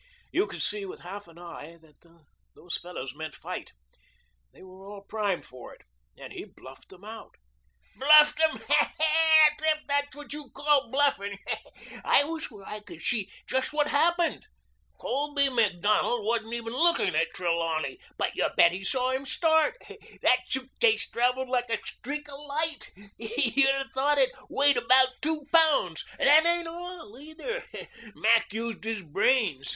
You could see with half an eye that those fellows meant fight. They were all primed for it and he bluffed them out." "Bluffed them huh! If that's what you call bluffing. I was where I could see just what happened. Colby Macdonald wasn't even looking at Trelawney, but you bet he saw him start. That suitcase traveled like a streak of light. You'd 'a' thought it weighed about two pounds. That ain't all either. Mac used his brains.